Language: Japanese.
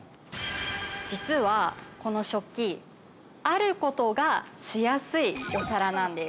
実はこの食器、あることがしやすいお皿なんです。